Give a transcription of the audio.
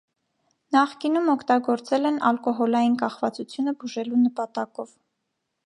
Նախկինում օգտագործել են ալկոհոլային կախվածությունը բուժելու նպատակով։